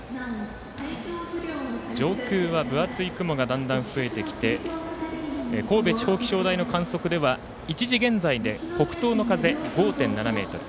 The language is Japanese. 上空は分厚い雲がだんだん増えてきて神戸地方気象台の観測では午後１時現在で北東の風５．７メートル。